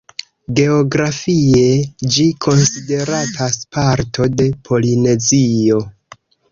Geografie ĝi konsideratas parto de Polinezio.